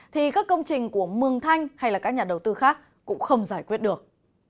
thì các công trình của mường thanh hay các nhà đầu tư khác cũng không giải quyết được